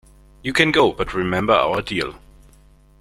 You can go, but remember our deal.